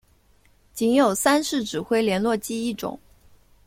仅有三式指挥连络机一种。